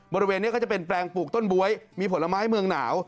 บริเวณนี้ก็จะเป็นแปลงปลูกต้นบ๊วยมีผลไม้เมืองหนาว